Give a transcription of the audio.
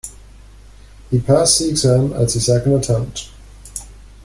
He passed the exam on the second attempt